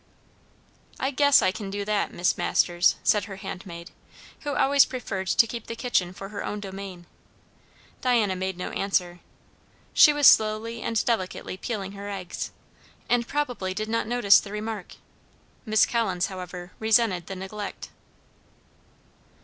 "I guess I kin do that, Mis' Masters," said her handmaid, who always preferred to keep the kitchen for her own domain. Diana made no answer. She was slowly and delicately peeling her eggs, and probably did not notice the remark. Miss Collins, however, resented the neglect.